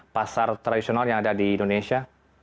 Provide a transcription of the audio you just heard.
apakah ini adalah pasar tradisional yang ada di indonesia